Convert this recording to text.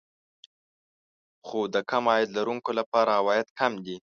خو د کم عاید لرونکو لپاره عواید کم دي